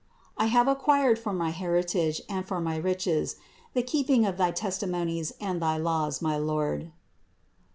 "I have acquired for my heri THE INCARNATION 277 tage and for my riches the keeping of thy testimonies and thy laws, my Lord" (Ps.